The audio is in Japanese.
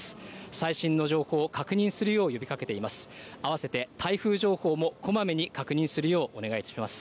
最新の情報を確認するよう呼びかけています。